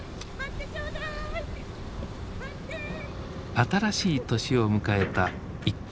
新しい年を迎えた一家。